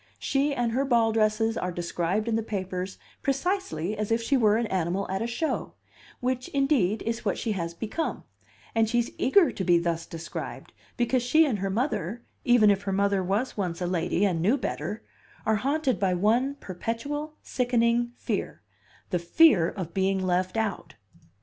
She and her ball dresses are described in the papers precisely as if she were an animal at a show which indeed is what she has become; and she's eager to be thus described, because she and her mother even if her mother was once a lady and knew better are haunted by one perpetual, sickening fear, the fear of being left out.